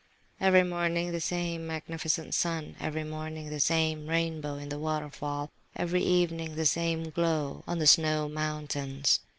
Every morning the same magnificent sun; every morning the same rainbow in the waterfall; every evening the same glow on the snow mountains.